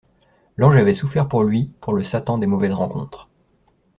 L'ange avait souffert pour lui, pour le Satan des mauvaises rencontres.